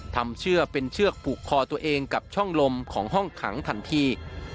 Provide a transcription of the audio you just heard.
เชื่อเป็นเชือกผูกคอตัวเองกับช่องลมของห้องขังทันที